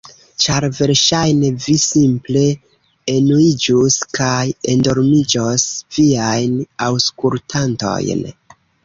Ĉar versaĵne vi simple enuiĝus kaj endormiĝos viajn aŭskultantojn.